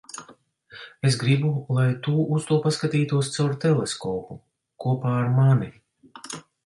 Es gribu, lai tu uz to paskatītos caur teleskopu - kopā ar mani.